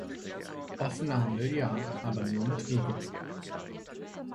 Offener Handel ja, aber nur mit Regeln.